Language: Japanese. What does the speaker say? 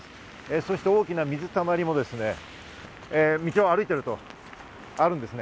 そして大きな水たまりも道を歩いているとあるんですね。